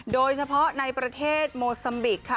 โดยเฉพาะในประเทศโมซัมบิกค่ะ